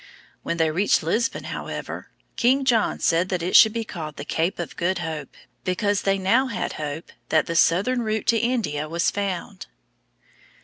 When they reached Lisbon, however, King John said that it should be called the Cape of Good Hope, because they now had hope that the southern route to India was found.